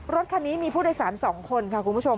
รถคันนี้มีผู้โดยสาร๒คนค่ะคุณผู้ชม